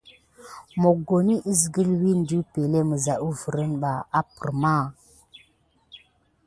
Mokoni kiskule wune de epəŋle misa wuvere ɓa askilan.